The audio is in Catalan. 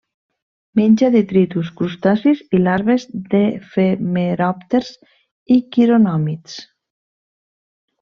Menja detritus, crustacis i larves d'efemeròpters i quironòmids.